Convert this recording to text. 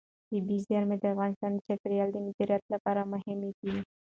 طبیعي زیرمې د افغانستان د چاپیریال د مدیریت لپاره مهم دي.